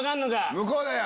向こうだよ。